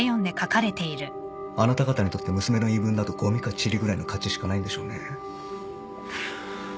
あなた方にとって娘の言い分などごみかちりぐらいの価値しかないんでしょうね。